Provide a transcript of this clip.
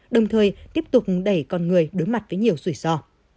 đồng thời tiếp tục đẩy con người đối mặt với nhiều rủi ro